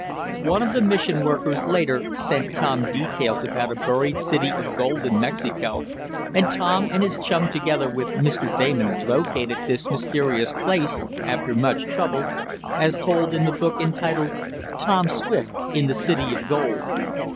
One of the mission workers, later, sent Tom details about a buried city of gold in Mexico, and Tom and his chum together with Mr. Damon located this mysterious place after much trouble, as told in the book entitled, "Tom Swift in the City of Gold."